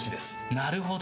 なるほど。